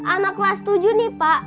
anak kelas tujuh nih pak